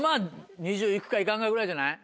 ２０いくかいかんかぐらいじゃない？